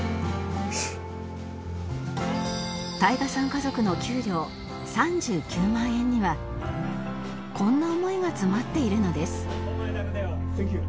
家族の給料３９万円にはこんな思いが詰まっているのです